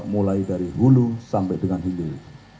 mulai dari hulu sampai dengan hilir